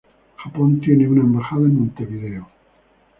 Japón tiene una embajada en Montevideo.